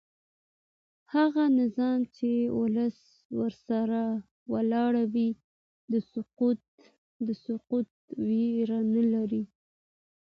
هغه نظام چې ولس ورسره ولاړ وي د سقوط ویره نه لري